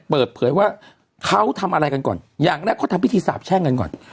เปิดเผยว่าเขาทำอะไรกันก่อนอย่างแรกเขาทำพิธีสาบแช่งกันก่อน